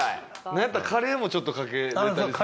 なんやったらカレーもちょっとかけられたりする。